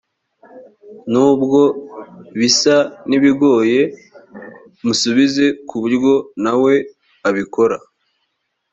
nubwo bisa n ibigoye musubize ku buryo na we abikora